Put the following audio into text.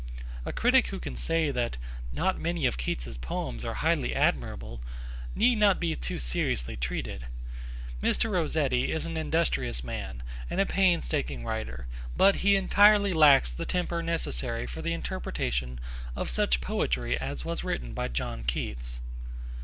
A critic who can say that 'not many of Keats's poems are highly admirable' need not be too seriously treated. Mr. Rossetti is an industrious man and a painstaking writer, but he entirely lacks the temper necessary for the interpretation of such poetry as was written by John Keats.